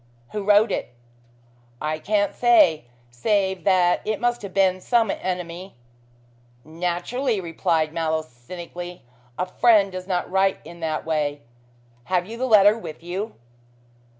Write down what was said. "Who wrote it?" "I can't say, save that it must have been some enemy." "Naturally," replied Mallow cynically. "A friend does not write in that way. Have you the letter with you."